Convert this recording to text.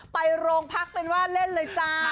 ไปโรงพักเป็นว่าเล่นเลยจ้า